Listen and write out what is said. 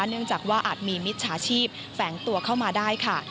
เนื่องจากว่าอาจมีมิจฉาชีพแฝงตัวเข้ามาได้ค่ะ